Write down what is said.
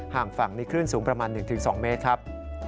งฝั่งมีคลื่นสูงประมาณ๑๒เมตรครับ